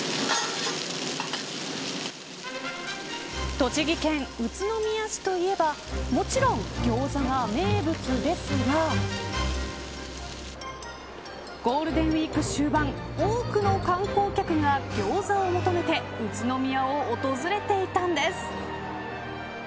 栃木県宇都宮市といえばもちろんギョーザが名物ですがゴールデンウイーク終盤多くの観光客がギョーザを求めて宇都宮を訪れていたんです。